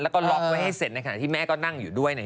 แล้วก็ล็อกไว้ให้เสร็จในขณะที่แม่ก็นั่งอยู่ด้วยเนี่ย